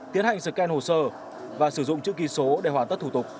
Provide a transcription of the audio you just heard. tiến hành scan hồ sơ và sử dụng chữ ký số để hoàn tất thủ tục